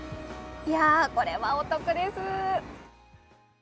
いや、これはお得です。